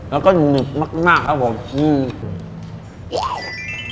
แล้วก็หนึบมากครับผม